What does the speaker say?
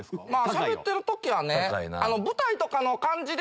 しゃべってる時はね。